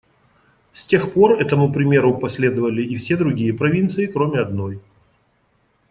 С тех пор этому примеру последовали и все другие провинции, кроме одной.